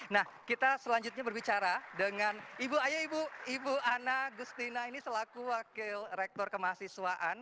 nah kita selanjutnya berbicara dengan ibu aya ibu ibu ana gustina ini selaku wakil rektor kemahasiswaan